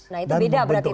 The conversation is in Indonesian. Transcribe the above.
nah itu beda berarti